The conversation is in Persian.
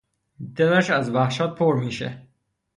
دلت از وحشت پُر میشه.